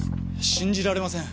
信じられません